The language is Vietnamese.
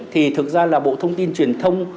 thì thực ra là bộ thông tin truyền thông